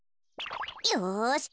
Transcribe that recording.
よし！